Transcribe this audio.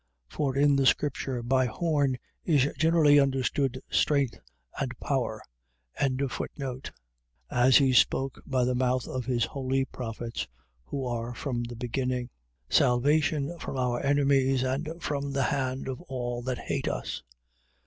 For in the Scripture, by horn is generally understood strength and power. 1:70. As he spoke by the mouth of his holy prophets, who are from the beginning. 1:71. Salvation from our enemies and from the hand of all that hate us.